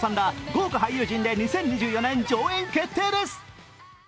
豪華俳優陣で２０２４年上演決定です。